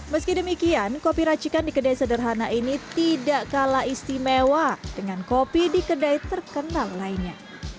meski demikian kopi racikan di kedai sederhana ini tidak kalah istimewa dengan kopi di kedai terkenal lainnya